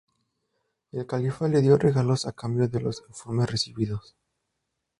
El califa le dio regalos a cambio de los informes recibidos.